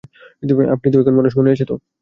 আপনি তো এখন মানুষ, মনে আছে তো?